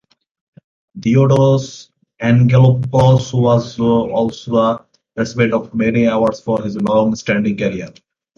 Theodoros Angelopoulos was also the recipient of many awards for his long standing career.